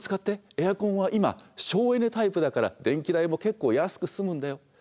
エアコンは今省エネタイプだから電気代も結構安く済むんだよ。